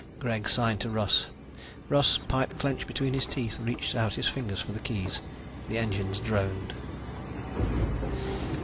Greg signed to Russ. Russ, pipe clenched between his teeth, reached out his fingers for the keys. The engines droned.